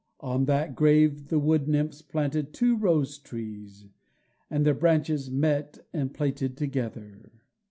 On that grave the wood nymphs planted two rose trees, and their branches met and plaited together.